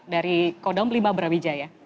dari kodam lima brawijaya